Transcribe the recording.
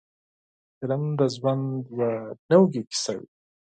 فلم د ژوند یوه نوې کیسه وي.